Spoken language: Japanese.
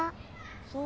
そう。